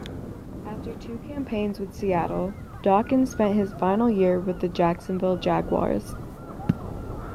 After two campaigns with Seattle, Dawkins spent his final year with the Jacksonville Jaguars.